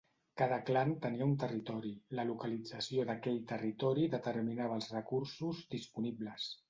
Cada clan tenia un territori, la localització d'aquell territori determinava els recursos disponibles.